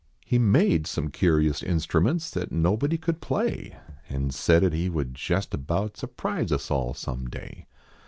He made some curious instruments That nobody could play. And said at he would jest about Surprise us all some day.